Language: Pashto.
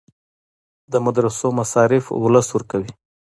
د مدرسو مصارف ولس ورکوي